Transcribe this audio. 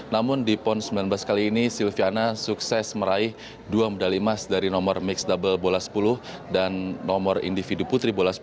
namun di pon sembilan belas kali ini silviana sukses meraih dua medali emas dari nomor mix double bola sepuluh dan nomor individu putri bola sepuluh